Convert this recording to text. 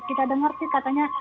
kita dengar sih katanya